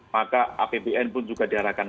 maka apbn pun juga diarahkan